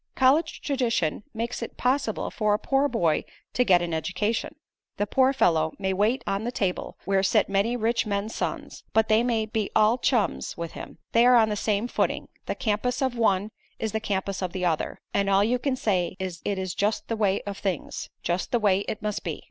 College tradition makes it possible for a poor boy to get an education. The poor fellow may wait on the table, where sit many rich men's sons, but they may be all chums with him; they are on the same footing; the campus of one is the campus of the other, and all you can say is "It is just the way of things just the way it must be."